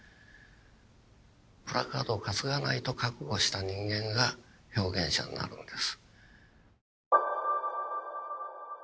プラカードを担がないと覚悟した人間が表現者になるんです。